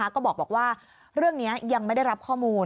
ก็บอกว่าเรื่องนี้ยังไม่ได้รับข้อมูล